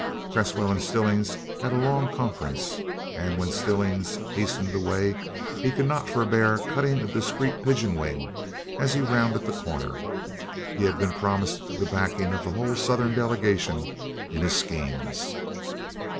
Cresswell and Stillings had a long conference, and when Stillings hastened away he could not forbear cutting a discreet pigeon wing as he rounded the corner. He had been promised the backing of the whole Southern delegation in his schemes.